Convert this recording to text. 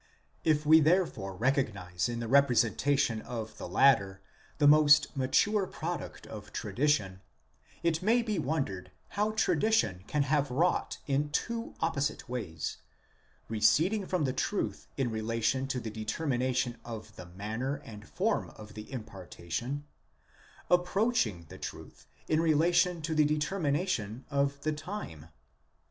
If we therefore recognise in the repre presentation of the latter the most mature product of tradition, it may be wondered how tradition can have wrought in two opposite ways: receding 12 This is Tholuck's opinion, ut sup. ASCENSION OF JESUS. 749 from the truth in relation to the determination of the manner and form of the impartation, approaching the truth in relation to the determination of the time.